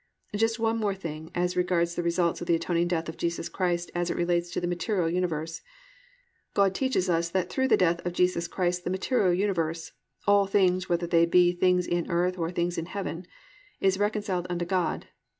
Just one more thing as regards the results of the atoning death of Jesus Christ as it relates to the material universe. God teaches us that through the death of Jesus Christ the material universe—"all things, whether they be things in earth, or things in heaven"—is reconciled unto God.